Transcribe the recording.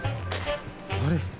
あれ？